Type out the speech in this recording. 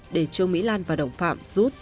để trương mỹ lan và đồng phạm rút